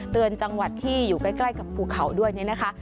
เตือนจังหวัดที่อยู่ใกล้กับภูเขาด้วยนี่นะคะ